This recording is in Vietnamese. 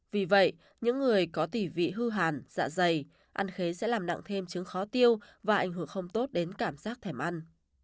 vì vậy những người có tỷ vị hư hàn dạ dày ăn khế sẽ làm nặng thêm trứng khó tiêu và ảnh hưởng không tốt đến cảm giác thèm ăn